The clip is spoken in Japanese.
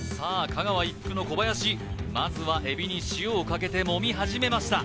香川一福の小林まずはエビに塩をかけてもみ始めました